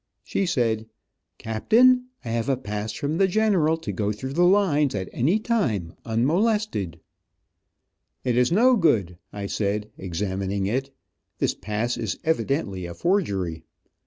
She said: "Captain, I have a pass from the general, to go through the lines at any time, unmollested." "It is no good," I said, examining it. "This pass is evidently a forgery."